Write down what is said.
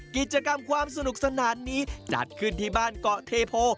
กิจกรรมความสนุกสนานนี้จัดขึ้นที่บ้านเกาะเทโพ